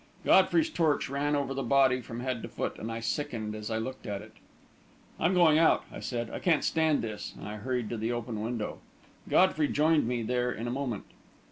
Godfrey's torch ran over the body from head to foot, and I sickened as I looked at it. "I'm going out," I said. "I can't stand this!" and I hurried to the open window. Godfrey joined me there in a moment.